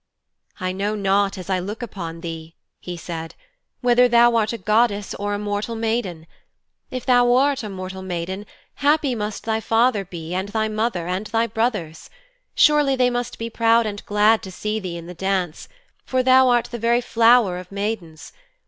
'I know not as I look upon thee,' he said, 'whether thou art a goddess or a mortal maiden. If thou art a mortal maiden, happy must thy father be and thy mother and thy brothers. Surely they must be proud and glad to see thee in the dance, for thou art the very flower of maidens.